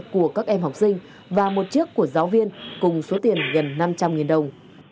của các em học sinh và một chiếc của giáo viên cùng số tiền gần năm trăm linh đồng